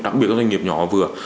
đặc biệt các doanh nghiệp nhỏ vừa